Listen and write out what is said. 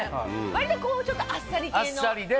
割とこうちょっとあっさりで。